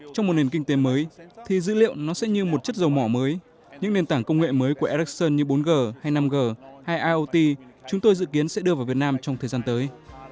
trong một nền kinh tế mới thì dữ liệu nó sẽ như một chất dầu mỏ mới những nền tảng công nghệ mới của ericsson như bốn g hay năm g hay iot chúng tôi dự kiến sẽ đưa vào việt nam trong thời gian tới